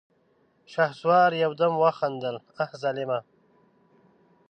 شهسوار يودم وخندل: اه ظالمه!